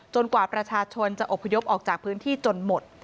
กว่าประชาชนจะอบพยพออกจากพื้นที่จนหมด